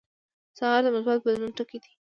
سهار د مثبت بدلون ټکي دي.